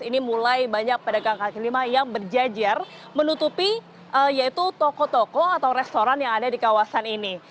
ini mulai banyak pedagang kaki lima yang berjejer menutupi yaitu toko toko atau restoran yang ada di kawasan ini